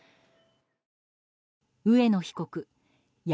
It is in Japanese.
上野被告闇